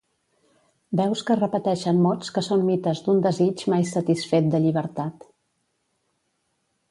Veus que repeteixen mots que són mites d'un desig mai satisfet de llibertat.